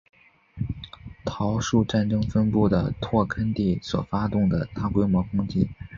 桃树战争分布的拓垦地所发动的大规模攻击。